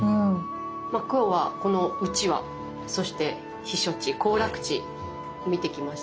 今日はこのうちわそして避暑地行楽地見てきましたけれど。